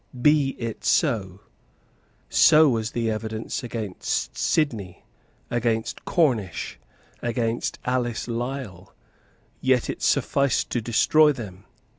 Be it so. So was the evidence against Sidney, against Cornish, against Alice Lisle; yet it sufficed to destroy them.